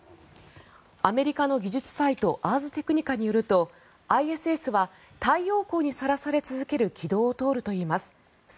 アメリカの技術サイトアーズ・テクニカによるとＩＳＳは太陽光にさらされ続ける軌道を通るといいます。